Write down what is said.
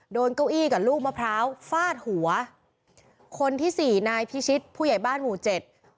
เก้าอี้กับลูกมะพร้าวฟาดหัวคนที่สี่นายพิชิตผู้ใหญ่บ้านหมู่เจ็ด